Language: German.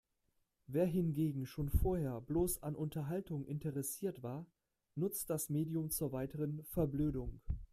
Wer hingegen schon vorher bloß an Unterhaltung interessiert war, nutzt das Medium zur weiteren Verblödung.